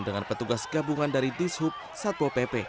dengan petugas gabungan dari dishub satpol pp